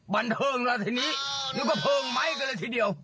บันพิงละทีนี้นิดนึงก็เพิงไหม้กันละทีเดียว